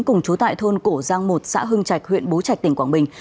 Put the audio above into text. cùng chú tại thôn cổ giang một xã hưng trạch huyện bố trạch tỉnh quảng bình